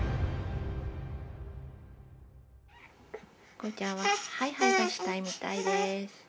こうちゃんはハイハイがしたいみたいです。